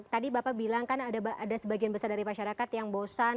tadi bapak bilang kan ada sebagian besar dari masyarakat yang bosan